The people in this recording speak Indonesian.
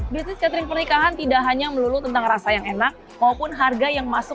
bisnis catering pernikahan tidak hanya melulu tentang rasa yang enak maupun harga yang masuk